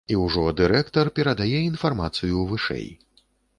І ўжо дырэктар перадае інфармацыю вышэй.